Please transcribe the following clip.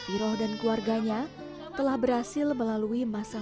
nak viroh dan keluarganya telah berhasil melalui masa masa sulit itu